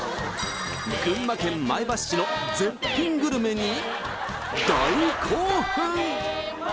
群馬県前橋市の絶品グルメに